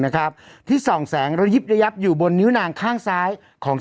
นะครับที่ส่องแสงระยิบระยับอยู่บนนิ้วนางข้างซ้ายของ